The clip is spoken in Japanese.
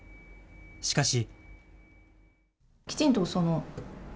しかし。